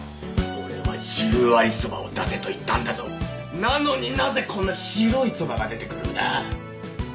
俺は十割そばを出せと言ったんだぞなのになぜこんな白いそばが出てくるんだ⁉